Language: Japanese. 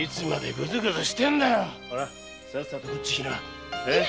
さっさとこっちへきな。